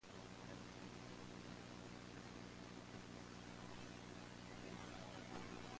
The university operates twelve academic faculties and schools.